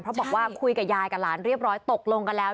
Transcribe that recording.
เพราะบอกว่าคุยกับยายกับหลานเรียบร้อยตกลงกันแล้ว